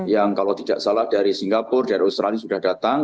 yang kalau tidak salah dari singapura dari australia sudah datang